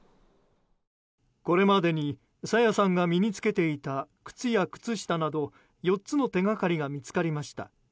これまでに朝芽さんが身に着けていた靴や靴下など４つの手がかりが見つかりました。